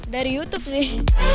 dari youtube sih